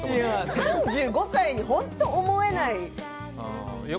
３５歳に本当に思えない。